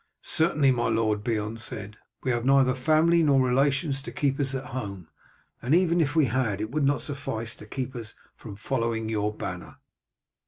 "Certainly, my lord," Beorn said. "We have neither family nor relations to keep us at home, and even if we had it would not suffice to keep us from following your banner."